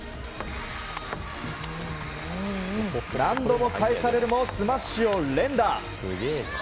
何度も返されるもスマッシュを連打。